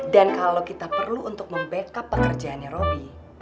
dan kalau kita perlu untuk membackup pekerjaannya robby